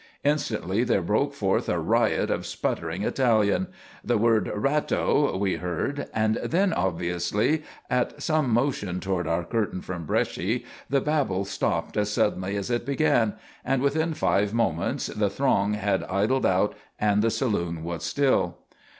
Instantly there broke forth a riot of sputtering Italian. The word "Ratto" we heard and then, obviously at some motion toward our curtains from Bresci, the babble stopped as suddenly as it began and within five moments the throng had idled out and the saloon was still.